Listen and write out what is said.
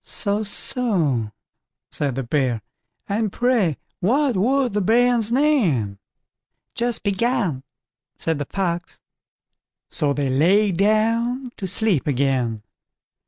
"So, so", said the Bear, "and pray what was the bairn's name." "Just begun", said the Fox. So they lay down to sleep again.